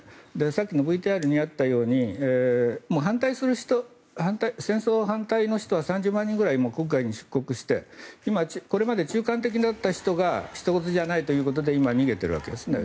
さっきのＶＴＲにあったように戦争反対の人は３０万人ぐらい今回、出国して今、これまで中間的だった人がひと事じゃないということで今、逃げているわけですね。